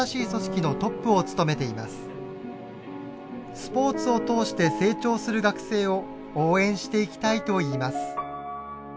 スポーツを通して成長する学生を応援していきたいといいます。